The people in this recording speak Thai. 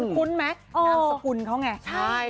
คุ้นไหมน้ำสกุลเขาไงใช่